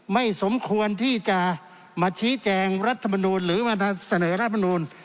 ไม่สมควรที่จะมาชี้แจงรัฐบาลนูนหรือมาเศร้ารัฐบาลนูน